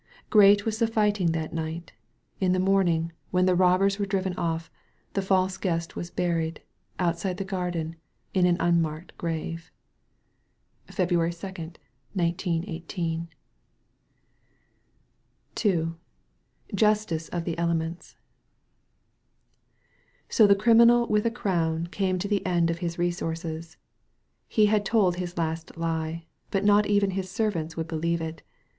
Great was the fighting that night. In the morn ing, whea the robbers were driven off, the false Guest was buried, outside the garden, in an un marked grave. February 2. 1918. 80 JUSTICE OP THE ELEMENTS So the Criminal with a Crown came to the end of his resources. He had told his last lie, but not even his servants would believe it.